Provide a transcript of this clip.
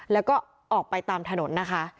แล้วก็ออกไปตามถนนนะคะ